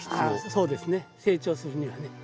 そうですね成長するにはね。